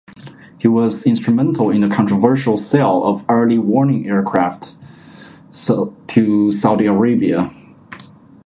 He was instrumental in the controversial sale of early warning aircraft to Saudi Arabia.